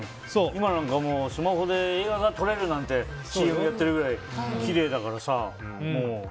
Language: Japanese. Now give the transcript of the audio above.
今なんかスマホで映画が撮れるってＣＭやってるくらいきれいだからさ。